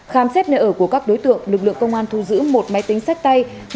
khám xét nơi ở của các đối tượng lực lượng công an thu giữ một máy tính sách tay